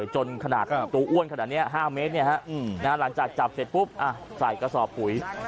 จนขนาดตัวอ้วนขนาดนี้๕เมตรหลังจากจับเสร็จปุ๊บใส่กระสอบปุ๋ย